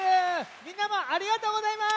みんなもありがとうございます！